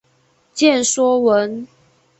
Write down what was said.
见说文。